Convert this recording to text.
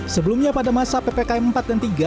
sebelumnya pada masa ppkm empat dan tiga